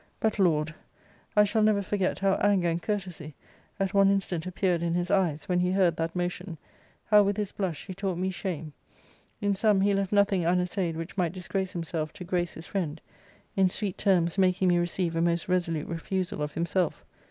But, Lord ! I shall never forget how anger_and courtesy at one instant appeared in his eyes, when he heard that motion : bow with his blush he taught me shame. In sum, he left nothing unassayed which might disgrace himself to grace his fidend, in sweet terms making me receive a most resolute refusal of himself.